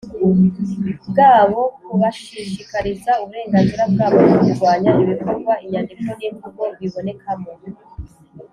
bwabo kubashishikariza uburenganzira bwabo no kurwanya ibikorwa inyandiko n imvugo bibonekamo